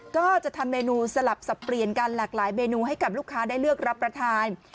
ก็จะทำเมนูสลับสับเปลี่ยนกันหลากหลายเมนูให้กับลูกค้าได้เลือกรับประทาน